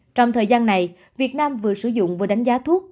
trong thời gian này việt nam vừa sử dụng vừa đánh giá thuốc